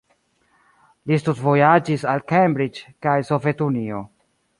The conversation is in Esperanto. Li studvojaĝis al Cambridge kaj Sovetunio.